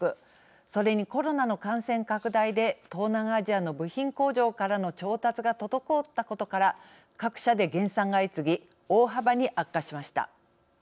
それにコロナの感染拡大で東南アジアの部品工場からの調達が滞ったことから各社で減産が相次ぎ大幅に悪化しました。